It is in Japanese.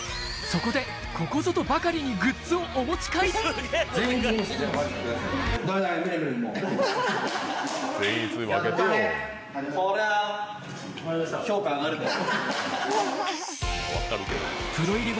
そこで、ここぞとばかりにグッズをお持ち帰り。